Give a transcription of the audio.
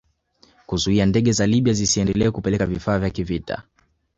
Kuzuia ndege za Libya zisiendelee kupeleka vifaa vya kivita